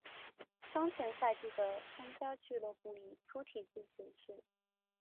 当前赛季的参赛俱乐部以粗体字显示。